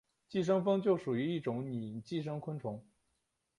寄生蜂就属于一种拟寄生昆虫。